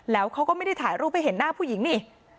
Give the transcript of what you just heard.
แล้วเขาก็ไม่ได้ถ่ายรูปให้เห็นหน้าผู้หญิงนี่